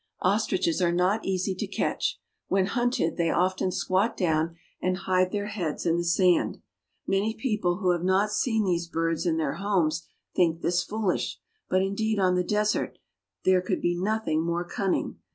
Ostriches are not easy to catch. When hunted they often squat down and hide their heads in the sand. Many people who have not seen these birds in their homes think this fooHsh, but indeed on the desert there could be nothing more cunning.